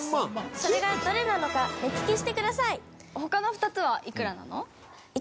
それがどれなのか目利きしてください！